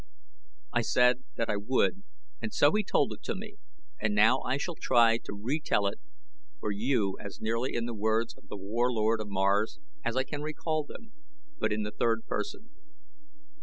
I said that I would and so he told it to me, and now I shall try to re tell it for you as nearly in the words of The Warlord of Mars as I can recall them, but in the third person.